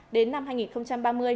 đến năm hai nghìn ba mươi